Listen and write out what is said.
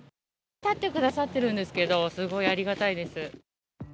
立ってくださってるんですけど、すごいありがたいです。